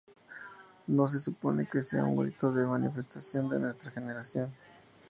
No se supone que sea un grito de manifestación de nuestra generación.